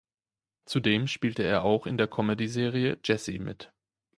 Zudem spielte er auch in der Comedyserie "Jesse" mit.